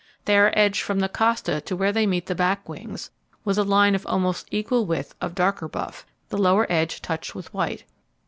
They are edged from the costa to where they meet the back wings, with a line of almost equal width of darker buff, the lower edge touched with white.